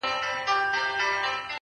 دې ادعا یوازې د حمزه